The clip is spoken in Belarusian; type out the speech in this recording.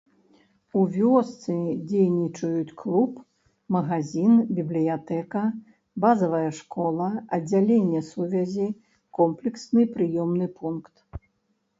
У вёсцы дзейнічаюць клуб, магазін, бібліятэка, базавая школа, аддзяленне сувязі, комплексны прыёмны пункт.